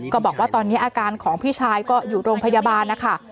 บอกว่าตอนนี้อาการของพี่ชายก็อยู่โรงพยาบาลนะคะ